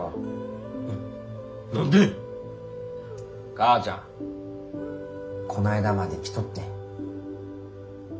母ちゃんこないだまで来とってん。